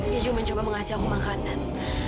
dia cuma coba mengasih aku makanan